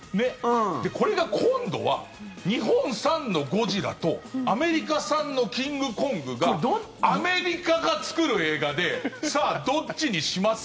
これが今度は日本産のゴジラとアメリカ産のキングコングがアメリカが作る映画でさあ、どっちにします？